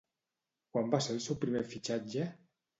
Quan va ser el seu primer fitxatge?